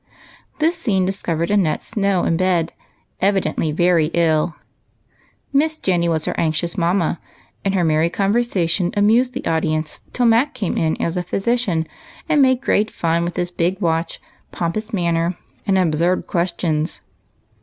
This scene discovered Annette Snow in bed, evi dently very ill ; Miss Jenny was her anxious mamma, and her merry conversation amused the audience till Mac came in as a physician, and made great fun with his big watch, pompous manner, and absurd questions.